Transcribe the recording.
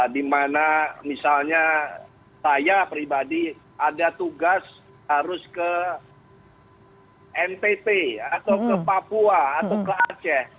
dimana misalnya saya pribadi ada tugas harus ke ntt atau ke papua atau ke aceh